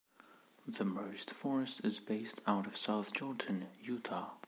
The merged forest is based out of South Jordan, Utah.